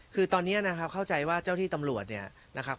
คือตอนนี้นะครับเข้าใจว่าเจ้าที่ตำรวจเนี่ยนะครับ